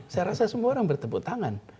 saya rasa semua orang bertepuk tangan